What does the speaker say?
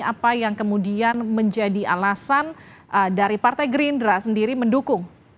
apa yang kemudian menjadi alasan dari partai gerindra sendiri mendukung